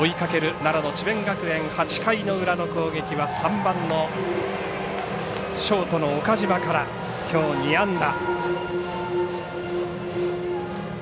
奈良の智弁学園８回の裏の攻撃は３番のショートの岡島からきょう２安打。